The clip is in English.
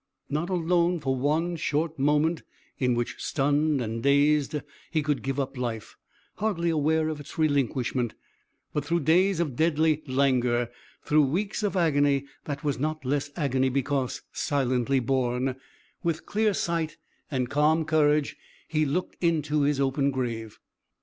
Not alone for the one short moment in which, stunned and dazed, he could give up life, hardly aware of its relinquishment, but through days of deadly languor, through weeks of agony, that was not less agony because silently borne, with clear sight and calm courage, he looked into his open grave.